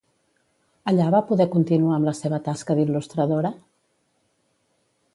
Allà va poder continuar amb la seva tasca d'il·lustradora?